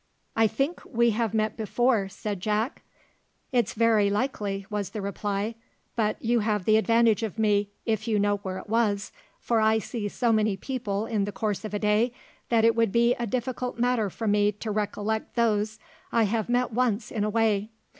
"I think we have met before," said Jack. "It's very likely," was the reply; "but you have the advantage of me, if you know where it was, for I see so many people in the course of a day, that it would be a difficult matter for me to recollect those I have met once in a way.